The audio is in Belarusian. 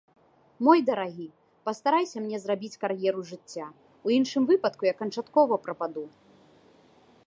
Мой дарагі, пастарайся мне зрабіць кар'еру жыцця, у іншым выпадку я канчаткова прападу.